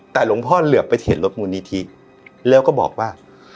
แต่หลวงพ่อเหลือไปเห็นรถมูลนิธิแล้วก็บอกว่า